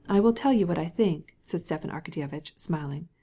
"I tell you what I think," said Stepan Arkadyevitch, smiling.